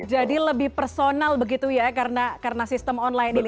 jadi lebih personal begitu ya karena sistem online ini